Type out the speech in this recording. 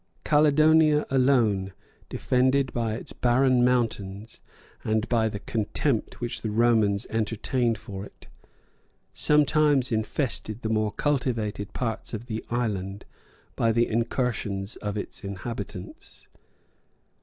Caledonia alone, defended by its barren mountains, and by the contempt which the Romans entertained for it, sometimes infested the more cultivated parts of the island by the incursions of its inhabitants.